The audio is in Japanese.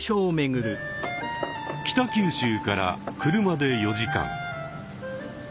北九州から車で４時間。